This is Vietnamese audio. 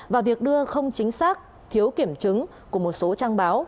và việc đưa không chính xác thiếu kiểm chứng của một số trang báo